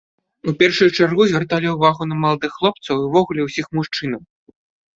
У першую чаргу звярталі ўвагу на маладых хлопцаў і ўвогуле ўсіх мужчынаў.